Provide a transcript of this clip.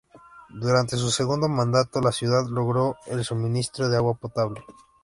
Durante su segundo mandato la ciudad logró el suministro de agua potable.